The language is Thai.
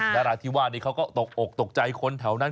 นราธิวาสนี้เขาก็ตกอกตกใจคนแถวนั้น